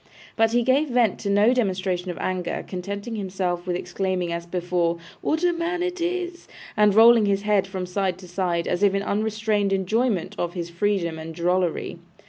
But he gave vent to no demonstration of anger, contenting himself with exclaiming as before, 'What a man it is!' and rolling his head from side to side, as if in unrestrained enjoyment of his freedom and drollery.